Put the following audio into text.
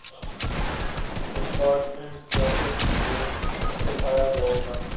ایک بار پھر سیاست کی بھینٹ چڑھایا جائے گا؟